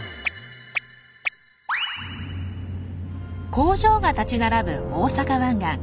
工場が立ち並ぶ大阪湾岸。